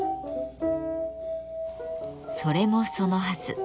それもそのはず。